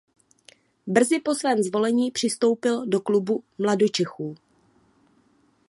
Brzy po svém zvolení přistoupil do klubu mladočechů.